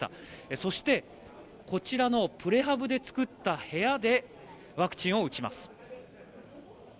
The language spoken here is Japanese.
そして、こちらのプレハブで作った部屋でワクチンを打ちます。